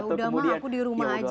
yaudah mah aku dirumah aja